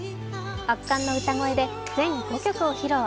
圧巻の歌声で全５曲を披露。